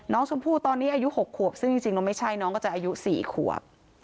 น้องชมพู่ตอนนี้อายุ๖ขวบซึ่งจริงแล้วไม่ใช่น้องก็จะอายุ๔ขวบ